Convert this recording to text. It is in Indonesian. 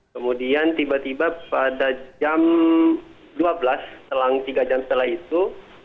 kemudian tiba tiba pada jam dua belas selang tiga jam setelah itu